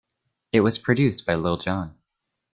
It was produced by Lil Jon.